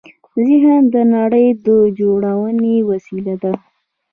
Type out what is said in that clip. ذهن د نړۍ د جوړونې وسیله ده.